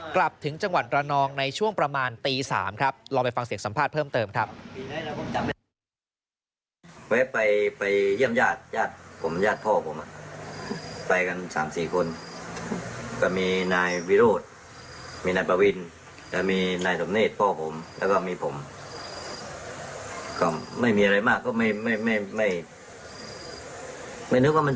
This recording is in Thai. กลับถึงจังหวัดระนองในช่วงประมาณตี๓ครับลองไปฟังเสียงสัมภาษณ์เพิ่มเติมครับ